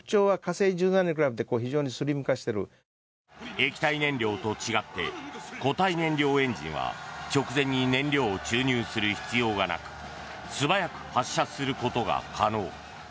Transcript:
液体燃料と違って固体燃料エンジンは直前に燃料を注入する必要がなく素早く発射することが可能。